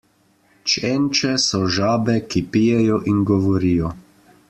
Čenče so žabe, ki pijejo in govorijo.